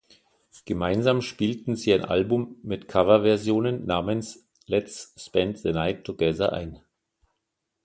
Gemeinsam spielten sie ein Album mit Coverversionen namens "Let's spend the Night together" ein.